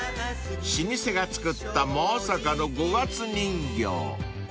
［老舗が作ったまさかの五月人形］